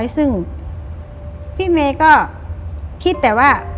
ซึ่งพี่เมย์ก็คิดแต่ว่า